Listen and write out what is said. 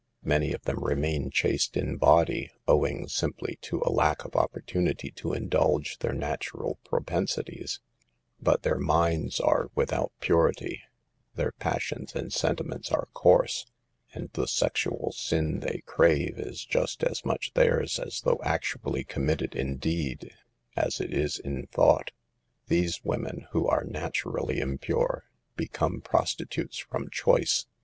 Many of them remain chaste in body, owing simply to a lack of opportunity to indulge their natural propensities, but their minds are without purity, their passions and sentiments are coarse, and the sexual sin they crave is just as much theirs as though actually com mitted in deed, as it is in thought. These women, who are naturally * impure, become prostitutes from choice.